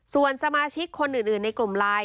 ส่วนสมาชิกคนอื่นในกลุ่มไลน์